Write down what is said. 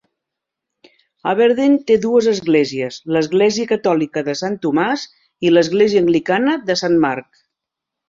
Aberdeen té dues esglésies, l'església catòlica de Sant Tomàs, i l'església anglicana de Sant Marc.